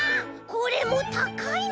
これもたかいね！